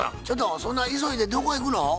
ちょっとそんな急いでどこ行くの？